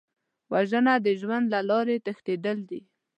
وژنه د ژوند له لارې تښتېدل دي